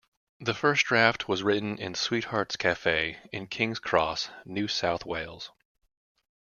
The first draft was written in Sweethearts Cafe in Kings Cross, New South Wales.